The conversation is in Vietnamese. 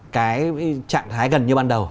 cái trạng thái gần như ban đầu